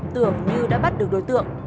tưởng như đã bắt được đối tượng